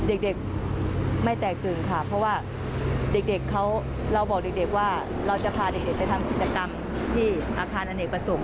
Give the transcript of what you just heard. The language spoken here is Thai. เด็กไม่แตกตื่นค่ะเพราะว่าเด็กเขาเราบอกเด็กว่าเราจะพาเด็กไปทำกิจกรรมที่อาคารอเนกประสงค์